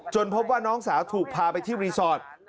พบว่าน้องสาวถูกพาไปที่รีสอร์ท